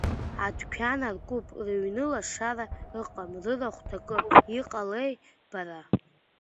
Адәқьан аркуп, рыҩны лашара ыҟам, рырахә ҭакым, иҟалеи, бара?